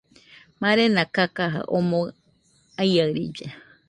Marena kakaja omoɨ aiaɨrilla.